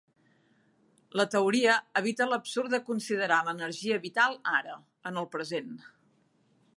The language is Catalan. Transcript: La teoria evita l'absurd de considerar l'energia vital ara, en el present.